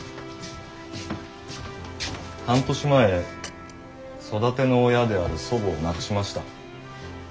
半年前育ての親である祖母を亡くしました。